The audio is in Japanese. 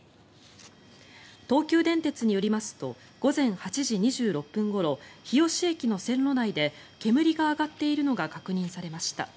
東急電鉄によりますと午前８時２６分ごろ日吉駅の線路内で煙が上がっているのが確認されました。